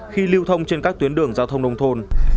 khi lưu thông trên các tuyến đường giao thông nông thôn